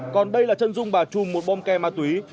còn đây là trân dung bà trung một bom ke ma túy